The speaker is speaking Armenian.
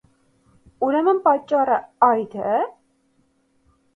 - Ուրեմն պատճառն ա՞յդ է: